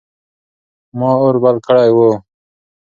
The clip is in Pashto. ما اور بل کړی و.